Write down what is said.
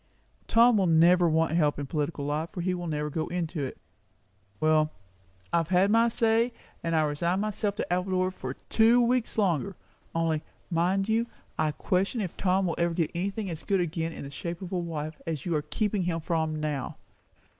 "Tom will never want help in political life, for he will never go into it. Well, I have said my say, and resign myself to Appledore for two weeks longer. Only, mind you, I question if Tom will ever get anything as good again in the shape of a wife, as you are keeping him from now.